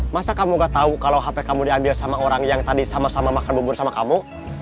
masa kamu gak tahu kalau hp kamu diambil sama orang yang tadi sama sama makan bubur sama kamu